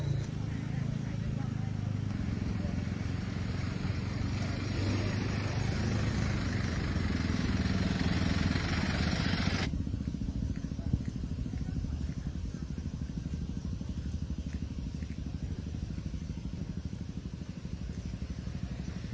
อย่าดมเป็นมือแบบนั้นไอ้ตาย